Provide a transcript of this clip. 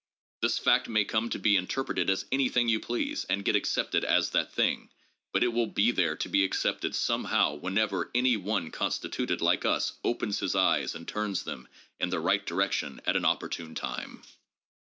This fact may come to be interpreted as anything you please, and get accepted as that thing ; but it will be there to be accepted somehow whenever any one constituted like us opens his eyes and turns them in the right direction at an opportune time.